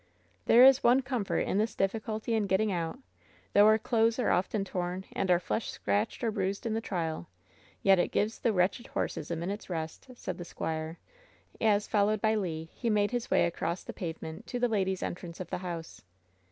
"There is one comfort in this difficulty in getting out — though our clothes are often torn and our flesh scratched or bruised in the trial — yet it gives the wretched horses a minute's rest," said the squire, as, fol WHEN SHADOWS DIE 109 lowed by Le, he made his way across the pavement to the ladies' entrance of the house.